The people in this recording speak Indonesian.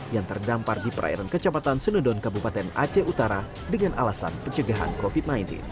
yang terdampar di perairan kecamatan senedon kabupaten aceh utara dengan alasan pencegahan covid sembilan belas